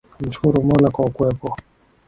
Namshukuru Mola kwa kuwepo.